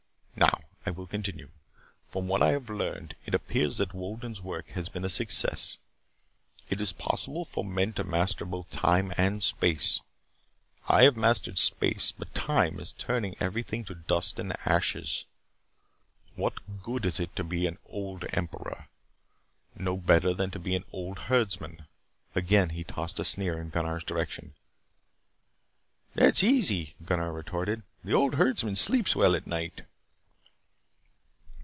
"Now, I will continue. From what I have learned, it appears that Wolden's work has been a success. It is possible for men to master both time and space. I have mastered space, but time is turning everything to dust and ashes. What good is it to be an old emperor? No better than to be an old herdsman." Again he tossed a sneer in Gunnar's direction "That's easy," Gunnar retorted. "The old herdsman sleeps well at night."